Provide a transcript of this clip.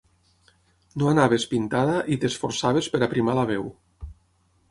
No anaves pintada i t'esforçaves per aprimar la veu.